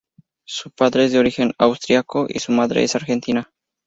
Su padre es de origen austriaco y su madre es argentina.